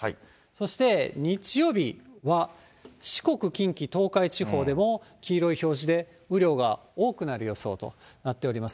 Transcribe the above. そして日曜日は四国、近畿、東海地方でも黄色い表示で、雨量が多くなる予想となっております。